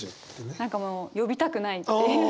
何かもう呼びたくないっていうか。